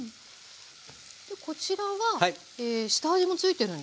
こちらは下味もついてるんですか？